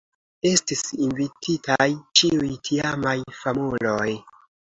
Estis invititaj ĉiuj tiamaj famuloj.